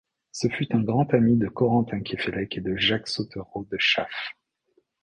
Ce fut un grand ami de Corentin Queffelec et de Jacques Sautereau de Chaffe.